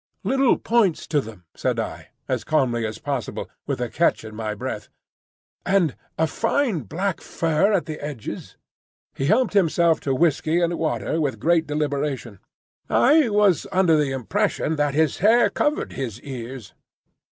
"Little points to them," said I, as calmly as possible, with a catch in my breath; "and a fine black fur at the edges?" He helped himself to whiskey and water with great deliberation. "I was under the impression—that his hair covered his ears."